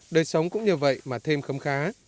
đời sống cũng như vậy mà thêm khấm khá